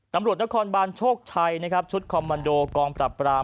ตำรวจนครบานโชคชัยนะครับชุดคอมมันโดกองปรับปราม